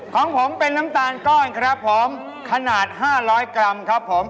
ของผมเป็นน้ำตาลก้อนครับผมขนาด๕๐๐กรัมครับผม